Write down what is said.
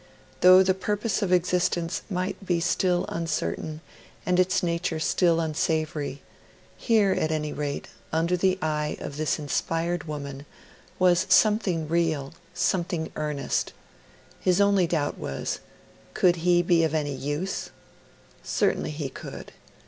Though the purpose of existence might be still uncertain and its nature still unsavoury, here, at any rate, under the eye of this inspired woman, was something real, something earnest: his only doubt was could he be of any use? Certainly he could.